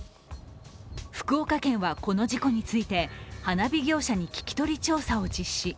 福岡県はこの事故について花火業者に聞き取り調査を実施。